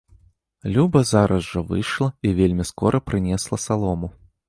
Люба зараз жа выйшла і вельмі скора прынесла салому.